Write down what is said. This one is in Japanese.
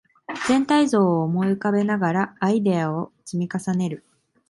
全体像を思い浮かべながらアイデアを積み重ねる